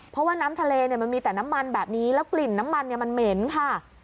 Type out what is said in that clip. เพราะว่าน้ำทะเลมันมีแต่น้ำมันแบบนี้แล้วกลิ่นน้ำมันมันเหม็นค่ะ